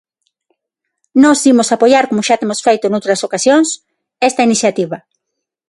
Nós imos apoiar, como xa temos feito noutras ocasións, esta iniciativa.